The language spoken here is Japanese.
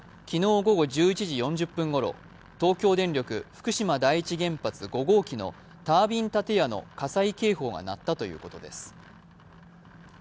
きのう午後１１時４０分ごろ、東京電力福島第１原発５号機のタービン建屋の火災警報が鳴ったということです。